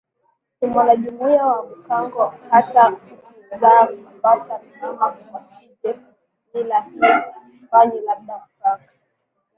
si mwanajumuiya wa Bhukango hata ukizaa mapacha ama kashinje mila hii hufanyiLabda mpaka